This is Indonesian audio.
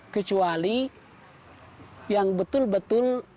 kecuali yang betul betul